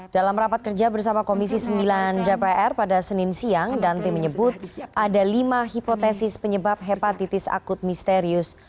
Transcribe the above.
dalam rapat kerja bersama komisi sembilan dpr pada senin siang dante menyebut ada lima hipotesis penyebab hepatitis akut misterius